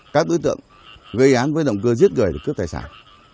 các đối tượng gây án với động cơ giết người để cướp tài sản